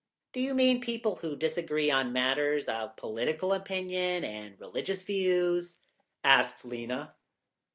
"Do you mean people who disagree on matters of political opinion and religious views?" asked Lena.